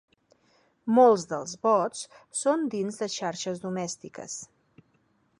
Molts dels bots són dins de xarxes domèstiques